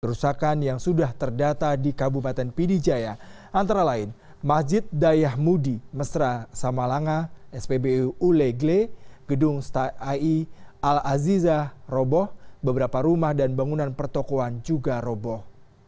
kerusakan yang sudah terdata di kabupaten pidijaya antara lain masjid dayah mudi mesra samalanga spbu ulegle gedung stai al aziza roboh beberapa rumah dan bangunan pertokohan juga roboh